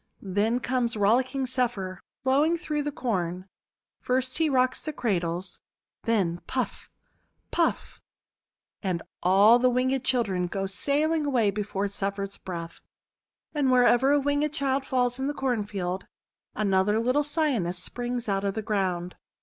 Then comes rollicking Zephyr, blowing through the Corn. First he rocks the cradles. Then — puff! puff! and all the little Winged Children go sailing away before Zephyr's breath. And wher ever a Winged Child falls in the Cornfield, an other little Cyanus springs out of the ground.